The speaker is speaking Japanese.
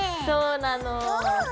そうなの。